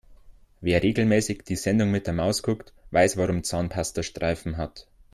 Wer regelmäßig die Sendung mit der Maus guckt, weiß warum Zahnpasta Streifen hat.